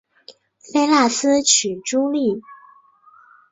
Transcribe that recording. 菲腊斯娶茱莉。